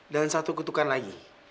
dan satu kutukan lagi